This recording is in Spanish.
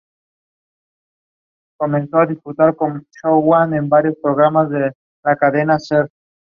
Otro de los grupos pioneros de este sonido es la banda Gong.